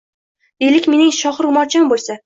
— Deylik, mening shohi ro‘molcham bo‘lsa